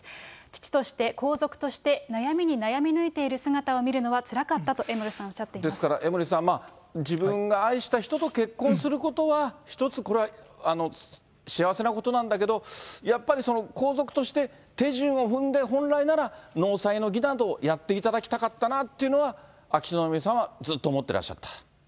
父として皇族として、悩みに悩み抜いている姿を見るのはつらかったと、江森さん、おっですから江森さん、自分が愛した人と結婚することは、一つこれは幸せなことなんだけど、やっぱり皇族として手順を踏んで、本来なら納采の儀などやっていただきたかったなというのは、秋篠宮さまはずっと思ってらっしゃった。